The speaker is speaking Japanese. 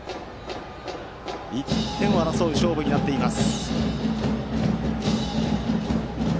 １点を争う勝負になっています。